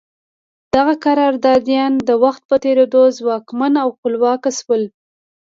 دغه قراردادیان د وخت په تېرېدو ځواکمن او خپلواک شول.